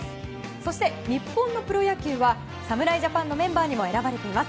そして、日本のプロ野球は侍ジャパンのメンバーにも選ばれています